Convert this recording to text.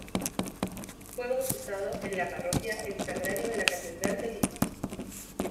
Fue bautizado en la Parroquia El Sagrario de la Catedral de Lima.